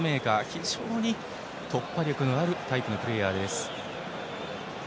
非常に突破力のあるタイプのプレーヤーです。